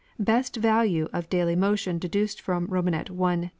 Best value of daily motion deduced from i, ii, and iii.